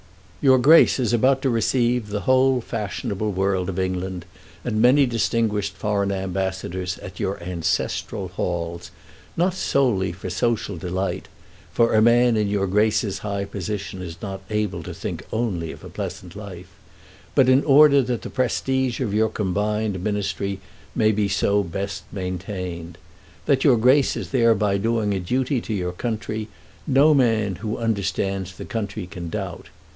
Your Grace is about to receive the whole fashionable world of England and many distinguished foreign ambassadors at your ancestral halls, not solely for social delight, for a man in your Grace's high position is not able to think only of a pleasant life, but in order that the prestige of your combined Ministry may be so best maintained. That your Grace is thereby doing a duty to your country no man who understands the country can doubt.